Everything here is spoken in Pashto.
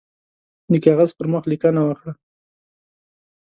د کاغذ پر مخ لیکنه وکړه.